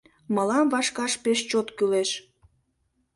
Мылам вашкаш пеш чот кӱлеш